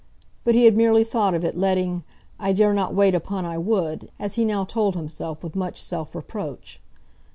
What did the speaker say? But he had merely thought of it, letting "I dare not wait upon I would" as he now told himself, with much self reproach.